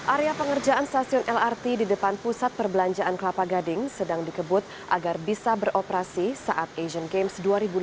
area pengerjaan stasiun lrt di depan pusat perbelanjaan kelapa gading sedang dikebut agar bisa beroperasi saat asian games dua ribu delapan belas